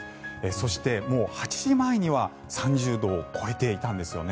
そして、もう８時前には３０度を超えていたんですよね。